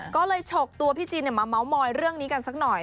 ก็เลยฉกตัวพี่จินมาเมาส์มอยเรื่องนี้กันสักหน่อย